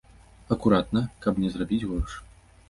Акуратна, каб не зрабіць горш.